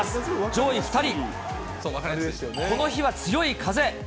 この日は強い風。